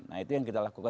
nah itu yang kita lakukan